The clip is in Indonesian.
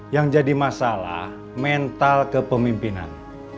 yang jadi masalah mental kepemimpinan